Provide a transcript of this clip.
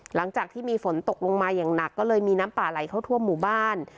หลังจากที่มีฝนตกลงมาอย่างหนักก็เลยมีน้ำป่าไหลเข้าทั่วหมู่บ้าน